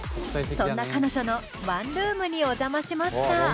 そんな彼女のワンルームにお邪魔しました。